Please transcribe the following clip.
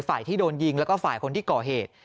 ฝ่ายที่โดนยิงและฝ่ายคนที่ก่อเหตุ